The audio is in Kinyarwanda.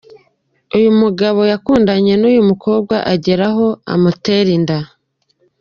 Uyu mugabo yakundanye n’ uyu mukobwa agera aho amutera inda.